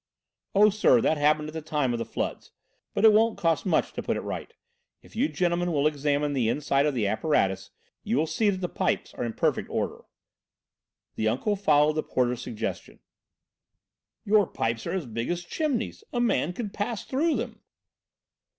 "Oh, sir, that happened at the time of the floods. But it won't cost much to put it right. If you gentlemen will examine the inside of the apparatus you will see that the pipes are in perfect order." The uncle followed the porter's suggestion. "Your pipes are as big as chimneys; a man could pass through them."